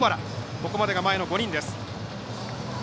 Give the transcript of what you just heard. ここまでが前の５人です。